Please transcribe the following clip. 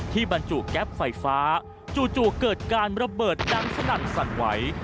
บรรจุแก๊ปไฟฟ้าจู่เกิดการระเบิดดังสนั่นสั่นไหว